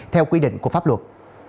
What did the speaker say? theo quy định của pháp luật